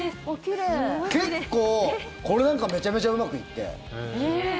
結構、これなんかめちゃくちゃうまくいって。